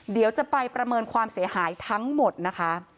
เดี๋ยวจะไปประเมินความเสียหายทั้งหมดนะคะ